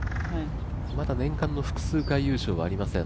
まだ年間の複数回優勝はありません